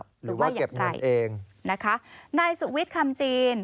หรือว่าเก็บเงินเองนะคะในสุวิทย์คำจีน